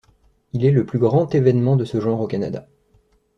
Il est le plus grand événement de ce genre au Canada.